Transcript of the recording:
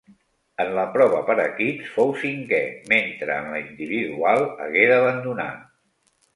En la prova per equips fou cinquè, mentre en la individual hagué d'abandonar.